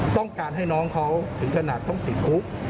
ต้องการให้น้องเขาถึงขนาดต้องติดคุก